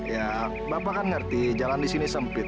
ya bapak kan ngerti jalan di sini sempit